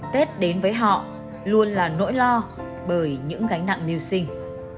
tết đến với họ luôn là nỗi lo bởi những gánh nặng niêu sinh